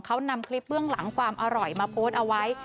เขานำคลิปเบื้องหลังความอร่อยมาโพสต์เอาไว้